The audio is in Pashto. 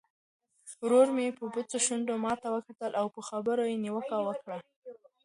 ورور مې په بوڅو شونډو ماته وکتل او په خبرو یې نیوکه وکړه.